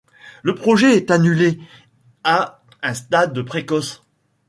Le projet est annulé à un stade précoce.